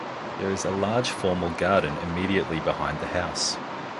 There is a large formal garden immediately behind the house.